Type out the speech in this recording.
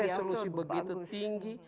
resolusi begitu tinggi